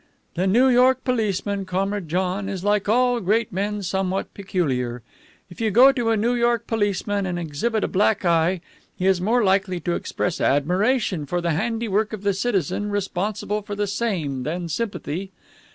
"The New York policeman, Comrade John, is, like all great men, somewhat peculiar. If you go to a New York policeman and exhibit a black eye, he is more likely to express admiration for the handiwork of the citizen responsible for the same than sympathy.